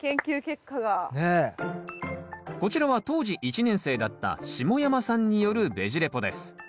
こちらは当時１年生だった下山さんによるベジ・レポです。